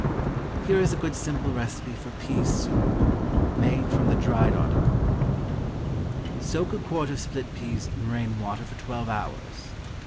Here is a good simple recipe for PEA SOUP, made from the dried article: Soak a quart of split peas in rain water for twelve hours.